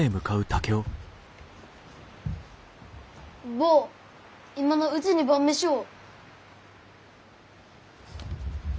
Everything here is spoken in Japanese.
坊今のうちに晩飯を。